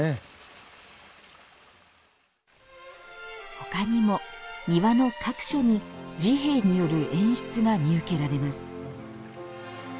ほかにも庭の各所に治兵衛による演出が見受けられます。